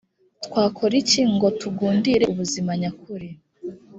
twakora iki ngo tugundire ubuzima nyakuri